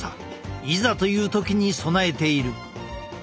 いざという時に備えている。